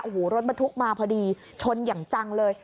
โอ้โหรถบรรทุกมาพอดีชนอย่างจังเลย